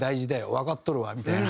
「わかっとるわ」みたいな。